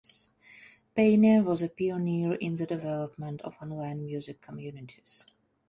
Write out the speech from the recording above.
Payne was a pioneer in the development of online music communities.